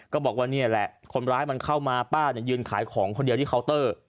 ก็บอกว่านี่แหละคนร้ายมันเข้ามาป้ายืนขายของคนเดียวที่เคาน์เตอร์